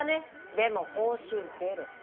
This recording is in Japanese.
でも報酬ゼロ。